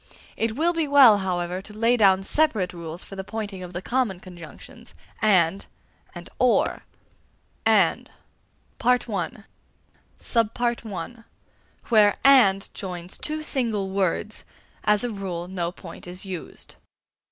It will be well, however, to lay down separate rules for the pointing of the common conjunctions, and and or. 1. AND. (a) Where "and" joins two single words, as a rule no point is used.